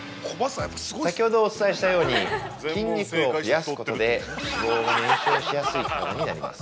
先ほどお伝えしたように筋肉を増やすことで脂肪を燃焼しやすい体になります。